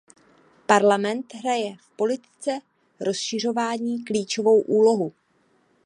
Parlament hraje v politice rozšiřování klíčovou úlohu.